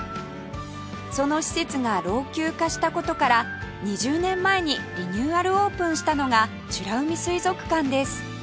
その施設が老朽化した事から２０年前にリニューアルオープンしたのが美ら海水族館です